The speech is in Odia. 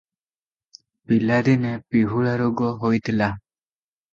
ପିଲାଦିନେ ପିହୁଳା ରୋଗ ହୋଇଥିଲା ।